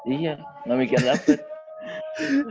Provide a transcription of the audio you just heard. iya gak mikir dapet